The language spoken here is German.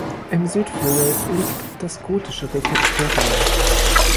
Im Südflügel liegt das gotische Refektorium.